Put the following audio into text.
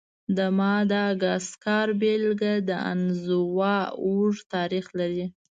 د ماداګاسکار بېلګه د انزوا اوږد تاریخ لري.